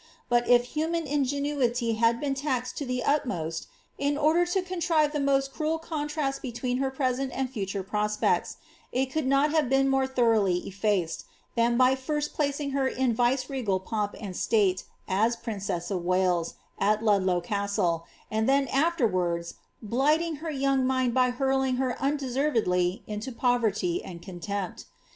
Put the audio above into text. But if human ingenuity had been taxed to the utmost in order to contrive the most cruel contrast between her present and future prospects, it could not have been more tboroughly efiected, than by first placing her in vice regal pomp and state, as princess of Wales, at Ludlow Castle, and then afterwards blight ing her young mind by hurling her undeservedly into poverty and con tempt.